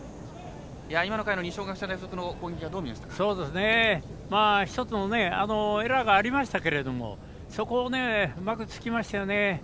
今の回の二松学舍の攻撃、どう見ましたかエラーがありましたけれどそこを、うまく突きましたよね。